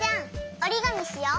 おりがみしよう。